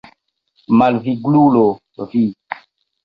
Malviglulo vi!